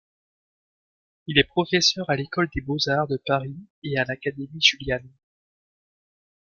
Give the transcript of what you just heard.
Il est professeur à l'École des beaux-arts de Paris et à l'Académie Julian.